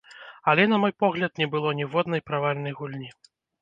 Але, на мой погляд, не было ніводнай правальнай гульні.